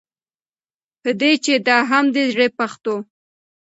په دې چې دا هم د زړې پښتو